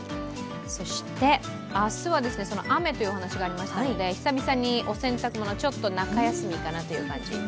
そして明日はその雨というお話がありましたので、久々にお洗濯物、ちょっと中休みかなという感じ。